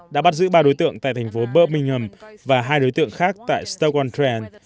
đã bắt giữ ba đối tượng tại thành phố birmingham và hai đối tượng khác tại stoke on trent